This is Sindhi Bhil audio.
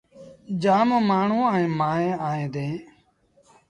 جآم مائيٚݩ ائيٚݩ مآڻهوٚݩ ائيٚݩ دآ۔